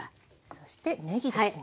そしてねぎですね。